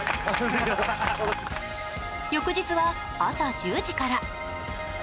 翌日は朝１０時から。